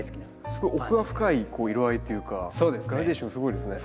すごい奥が深い色合いというかグラデーションすごいですね。